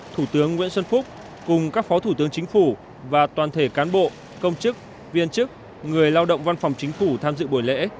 thủ tướng nguyễn xuân phúc cùng các phó thủ tướng chính phủ và toàn thể cán bộ công chức viên chức người lao động văn phòng chính phủ tham dự buổi lễ